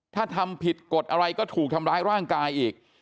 ถ้าทำผิดกฎอะไรก็ถูกทำร้ายร่างกายอีก